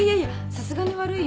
さすがに悪いよ。